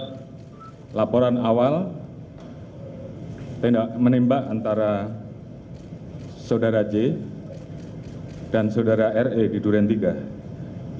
terhadap laporan awal menimba antara saudara j dan saudara r di durian tiga